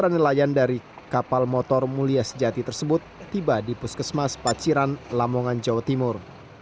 para nelayan dari kapal motor mulia sejati tersebut tiba di puskesmas paciran lamongan jawa timur